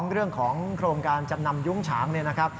เรื่องของโครงการจำนำยุ้งฉางเนี่ยนะครับ